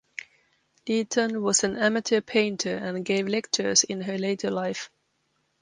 Leighton was an amateur painter and gave lectures in her later life.